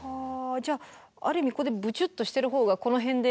じゃあある意味ここでブチュッとしてる方がこの辺で。